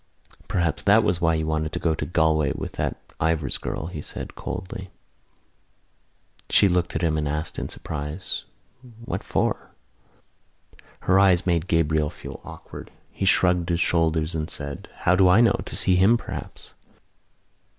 "Perhaps that was why you wanted to go to Galway with that Ivors girl?" he said coldly. She looked at him and asked in surprise: "What for?" Her eyes made Gabriel feel awkward. He shrugged his shoulders and said: "How do I know? To see him, perhaps."